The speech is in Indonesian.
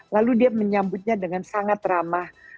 lalu dia menyambutnya dengan sangat ramah